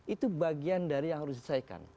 itu bagian dari yang harus diselesaikan